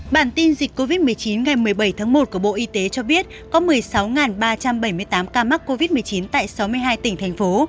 bản tin dịch covid một mươi chín ngày một mươi bảy tháng một của bộ y tế cho biết có một mươi sáu ba trăm bảy mươi tám ca mắc covid một mươi chín tại sáu mươi hai tỉnh thành phố